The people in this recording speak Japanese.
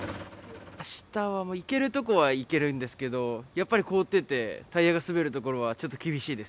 あしたは行ける所は行けるんですけど、やっぱり凍ってて、タイヤが滑るところはちょっと厳しいです。